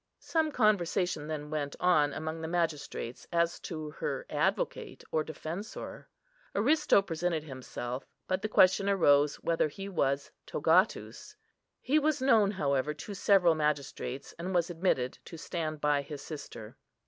Some conversation then went on among the magistrates as to her advocate or defensor. Aristo presented himself, but the question arose whether he was togatus. He was known, however, to several magistrates, and was admitted to stand by his sister.